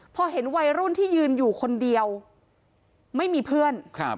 พอเห็นวัยรุ่นที่ยืนอยู่คนเดียวไม่มีเพื่อน